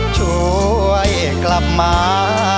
ช่วยกลับมา